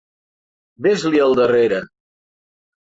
Ves-li al darrere!